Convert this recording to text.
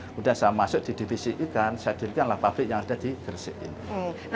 kemudian saya masuk di divisi ikan saya dirikanlah pabrik yang ada di gresik ini